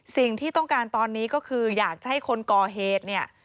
สิ่งที่ต้องการตอนนี้ก็คืออยากจะให้คนก่อเหตุเนี่ย